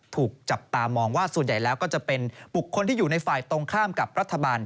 ถูกจับตามองว่าส่วนใหญ่แล้วก็จะเป็นบุคคลที่อยู่ในฝ่ายตรงข้ามกับรัฐบาล